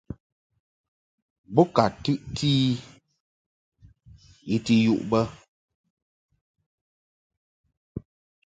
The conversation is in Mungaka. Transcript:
Bo ka tɨʼti I I ti yuʼ bə.